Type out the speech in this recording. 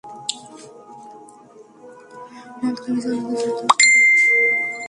মদ খাবি খা, অন্যদের কেন জ্বালাতন করবি?